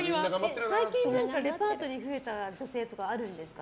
最近レパートリー増えた女性とかあるんですか。